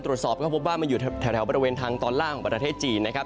ตรวจสอบก็พบว่ามันอยู่แถวบริเวณทางตอนล่างของประเทศจีนนะครับ